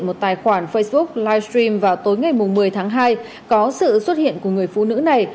một tài khoản facebook livestream vào tối ngày một mươi tháng hai có sự xuất hiện của người phụ nữ này